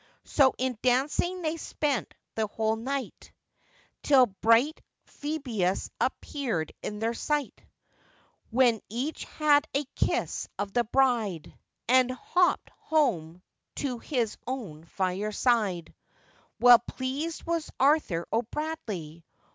So in dancing they spent the whole night, Till bright Phoebus appeared in their sight; When each had a kiss of the bride, And hopped home to his own fire side: Well pleased was Arthur O'Bradley!